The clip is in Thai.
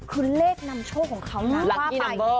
คือเลขนำโชคของเขาข้างข้างไป